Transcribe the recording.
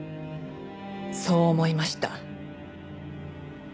そう思いました。